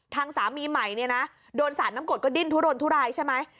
ทางสามีใหม่โดนสาดน้ำกรดก็ดิ้นทุรนทุรายใช่ไหม